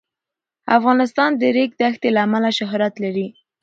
افغانستان د د ریګ دښتې له امله شهرت لري.